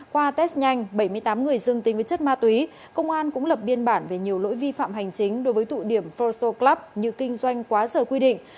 qua test nhanh bảy mươi tám người dương tính với chất ma túy công an cũng lập biên bản về nhiều lỗi vi phạm hành chính đối với tụ điểm froso club như kinh doanh quá giờ quy định